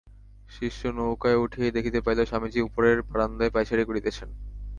শিষ্য নৌকায় উঠিয়াই দেখিতে পাইল, স্বামীজী উপরের বারান্দায় পায়চারি করিতেছেন।